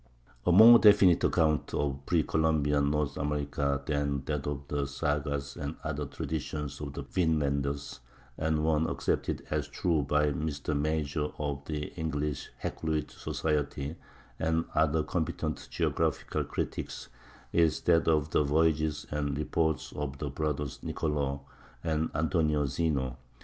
A more definite account of pre Columbian North America than that of the sagas and other traditions of the Vinlanders, and one accepted as true by Mr. Major of the English Hakluyt Society and other competent geographical critics, is that of the voyages and reports of the brothers Nicolò and Antonio Zeno.